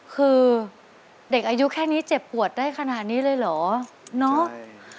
คือเด็กอายุแค่นี้เจ็บปวดได้ขนาดนี้เลยเหรอเนาะ